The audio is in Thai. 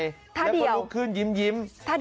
แล้วก็ลุกขึ้นยิ้ม